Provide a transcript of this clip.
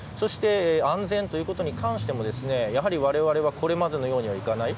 安全ということに関してもわれわれはこれまでのようにはいかない。